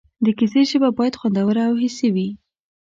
د کیسې ژبه باید خوندوره او حسي وي.